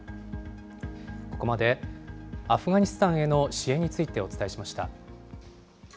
ここまで、アフガニスタンへの支援についてお伝えしました。